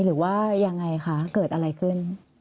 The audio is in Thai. หรือว่ายังไงคะเกิดอะไรขึ้น